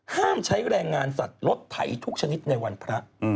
ห้ามใช้แรงงานสัตว์รถไถทุกชนิดในวันพระ